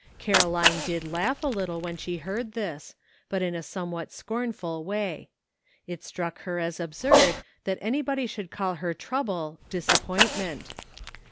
Caroline did laugh a little when she heard this, but in a somewhat scorn ful way. It struck her as absurd that anybody should call her trouble disappointment.